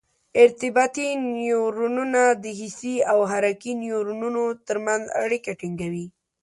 ارتباطي نیورونونه د حسي او حرکي نیورونونو تر منځ اړیکه ټینګوي.